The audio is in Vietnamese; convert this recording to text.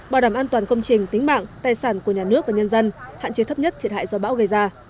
bảo đảm an toàn công trình tính mạng tài sản của nhà nước và nhân dân hạn chế thấp nhất thiệt hại do bão gây ra